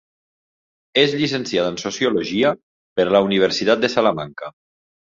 És llicenciada en sociologia per la Universitat de Salamanca.